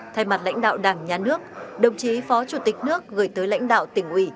thay mặt lãnh đạo đảng nhà nước đồng chí phó chủ tịch nước gửi tới lãnh đạo tỉnh ủy